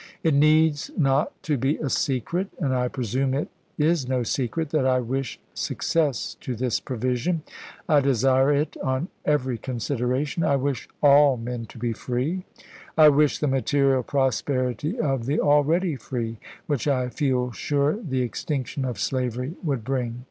It needs not to be a secret, and I presume it is no secret, that I wish success to this provision. I desire it on every considera tion. I wish all men to be free. I wish the material prosperity of the already free, which I feel sure the ex tinction of slavery would bring.